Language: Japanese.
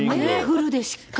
フルでしっかり。